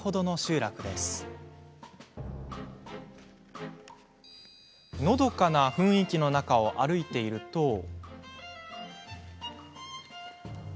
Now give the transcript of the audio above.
のどかな雰囲気の中を歩いていると。